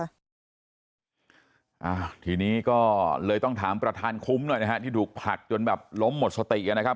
อ่าทีนี้ก็เลยต้องถามประธานคุ้มหน่อยนะฮะที่ถูกผลักจนแบบล้มหมดสติกันนะครับ